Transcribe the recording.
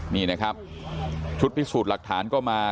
นี่นะครับชุดพิสูจน์หลักฐานก็มา